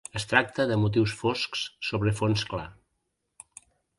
Es tracta de motius foscs sobre fons clar.